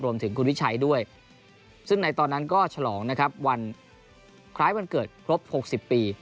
รวมถึงคุณวิชัยด้วยซึ่งในตอนนั้นก็ฉลองนะครับวันคล้ายวันเกิดครบ๖๐ปี